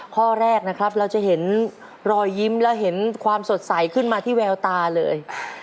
ข้อแรกนะครับเราจะเห็นรอยยิ้มและเห็นความสดใสขึ้นมาที่แววตาเลย